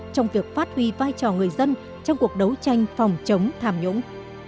trong việc phát huy vai trò người dân trong cuộc đấu tranh phòng chống tham nhũng